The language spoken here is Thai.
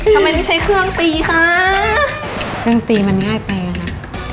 ทำไมไม่ใช้เครื่องตีคะเครื่องตีมันง่ายไปอ่ะค่ะ